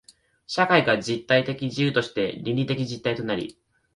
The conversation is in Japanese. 社会が実体的自由として倫理的実体となり、